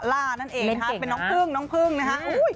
เป็นน้องผึ้งน้องผึ้งนะครับ